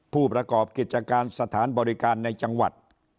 ผู้ประกอบกิจการสถานบริการในจังหวัด